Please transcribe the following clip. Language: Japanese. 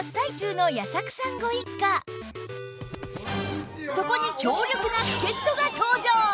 こちらはそこに強力な助っ人が登場！